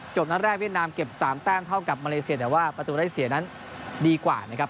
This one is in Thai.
นัดแรกเวียดนามเก็บ๓แต้มเท่ากับมาเลเซียแต่ว่าประตูได้เสียนั้นดีกว่านะครับ